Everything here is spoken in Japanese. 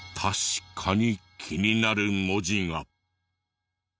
確かに気になる文字が。